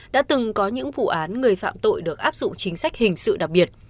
đã từng có những vụ án người phạm tội được áp dụng chính sách hình sự đặc biệt